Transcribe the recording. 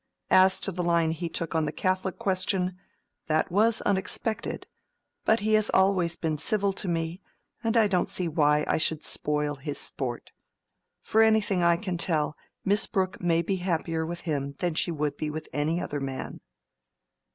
As to the line he took on the Catholic Question, that was unexpected; but he has always been civil to me, and I don't see why I should spoil his sport. For anything I can tell, Miss Brooke may be happier with him than she would be with any other man."